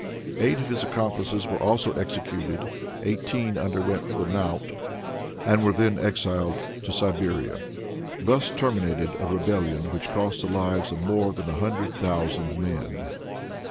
Eight of his accomplices were also executed, eighteen underwent the knout, and were then exiled to Siberia. Thus terminated a rebellion which cost the lives of more than a hundred thousand men.